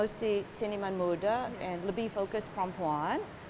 promosi cinema muda dan lebih fokus perempuan